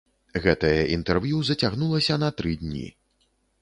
Гэтае інтэрв'ю зацягнулася на тры дні.